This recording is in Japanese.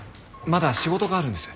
まだ仕事があるんです。